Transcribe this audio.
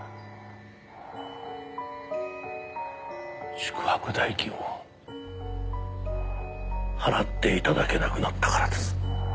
宿泊代金を払って頂けなくなったからです。